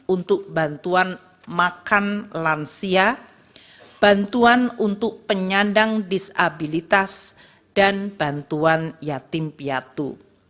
untuk bantuan makan lansia bantuan untuk penyandang disabilitas dan bantuan yatim piatu